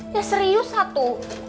ya serius satu